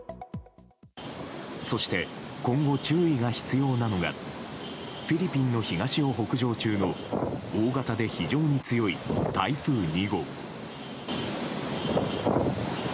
そして今後、注意が必要なのがフィリピンの東を北上中の大型で非常に強い台風２号。